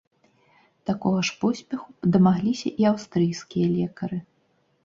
Такога ж поспеху дамагліся і аўстрыйскія лекары.